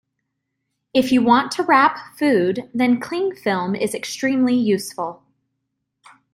If you want to wrap food, then clingfilm is extremely useful